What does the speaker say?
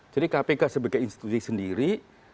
jadi kpk sebagai institusi sendiri